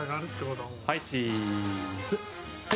はい、チーズ！